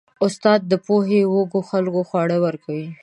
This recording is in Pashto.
استاد د پوهې د وږو خلکو خواړه ورکوي.